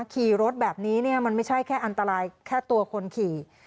ขี่รถแบบนี้มันไม่ใช่แค่อันตรายแค่ตัวคนขี่